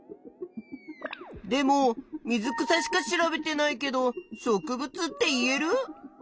でも水草しか調べてないけど植物って言える？